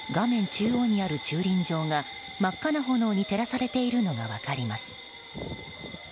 中央にある駐輪場が真っ赤な炎に照らされているのが分かります。